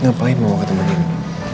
ngapain mama ketemu nino